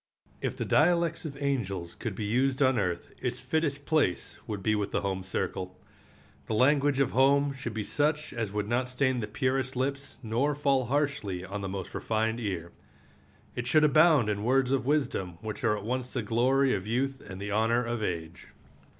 If the dialects of angels could be used on earth its fittest place would be the home circle. The language of home should be such as would not stain the purest lips nor fall harshly on the most refined ear. It should abound in words of wisdom which are at once the glory of youth and the honor of age.